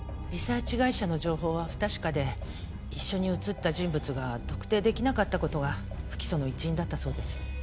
リサーチ会社の情報は不確かで一緒に写った人物が特定できなかった事が不起訴の一因だったそうです。